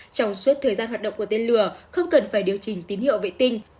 trong suốt thời gian hoạt động của tên lửa không cần phải điều chỉnh tín hiệu vệ tinh